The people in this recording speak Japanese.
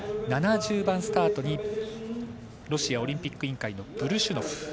７０番スタートにロシアオリンピック委員会のブルシュノフ。